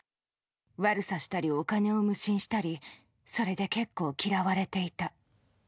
悪さしたり、お金を無心したり、それで結構嫌われていた。